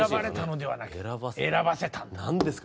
何ですか？